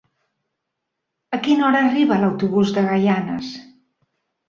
A quina hora arriba l'autobús de Gaianes?